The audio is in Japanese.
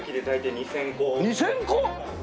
２０００個！？